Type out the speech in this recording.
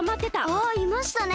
ああいましたね。